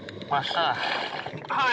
はい。